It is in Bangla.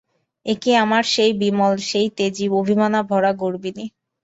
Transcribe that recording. এ কি আমার সেই বিমল, সেই তেজে অভিমানে ভরা গরবিনী!